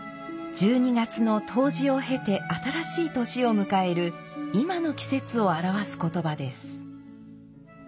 １２月の冬至を経て新しい年を迎える今の季節を表す言葉です。